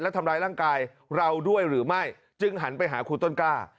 และทำร้ายร่างกายเราด้วยหรือไม่จึงหันไปหาครูต้นกล้า